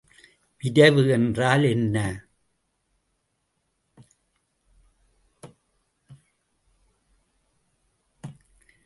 விரைவு என்றால் என்ன?